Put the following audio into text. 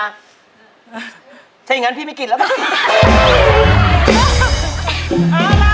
ถ้าอย่างงั้นพี่ไม่กินล่ะ